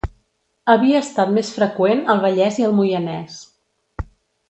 Havia estat més freqüent al Vallès i al Moianès.